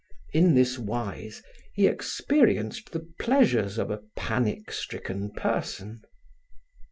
In this wise he experienced the pleasures of a panic stricken person.